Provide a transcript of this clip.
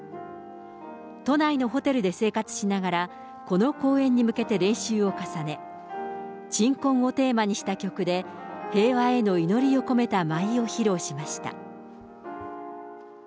都内のホテルで生活しながら、この公演に向けて練習を重ね、鎮魂をテーマにした曲で、平和への祈りを込めた舞を披露しました。